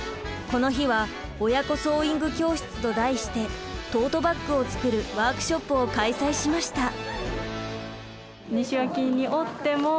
この日は親子ソーイング教室と題してトートバッグを作るワークショップを開催しました。